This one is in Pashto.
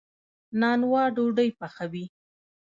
نانوا ډوډۍ پخوي.